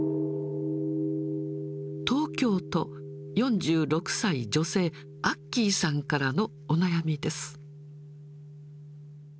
東京都、４６歳女性、アッキーさんからのお悩みです。